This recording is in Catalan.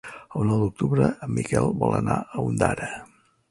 El nou d'octubre en Miquel vol anar a Ondara.